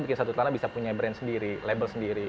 bikin satu tanah bisa punya brand sendiri label sendiri